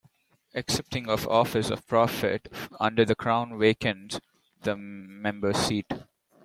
Accepting an office of profit under the Crown vacates the member's seat.